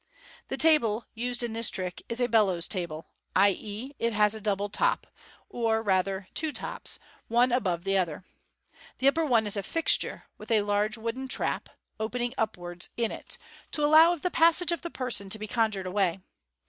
The table used in this trick is a bellows table; ix., it has a double top, or rather two tops, one above the other* The upper one is a fixture, with a large wooden trap 89 45o MODERN MAGIC. (opening upwards) in it, to allow of the passage of the person to be conjured away.